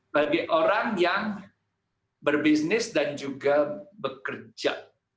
bagi orang yang berbisnis dan juga bekerja